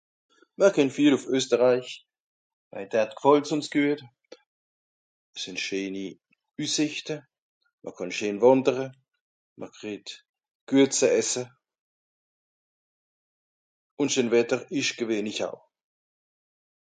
On va beaucoup en Autriche on peut y faire de belles promenades, la nourriture est bonne et le temps aussi